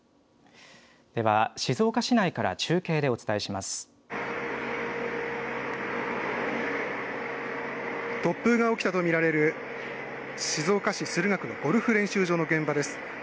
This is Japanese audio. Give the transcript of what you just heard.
では静岡市内から中継でお伝えし突風が起きたと見られる静岡市駿河区のゴルフ練習場の現場です。